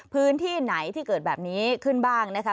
พื้นที่ไหนที่เกิดแบบนี้ขึ้นบ้างนะคะ